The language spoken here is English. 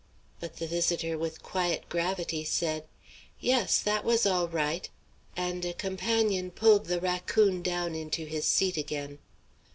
But the visitor with quiet gravity said, "Yes, that was all right;" and a companion pulled the Raccoon down into his seat again.